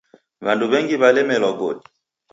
W'andu w'engi w'alemelwa godi.